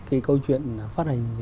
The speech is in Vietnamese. cái câu chuyện phát hành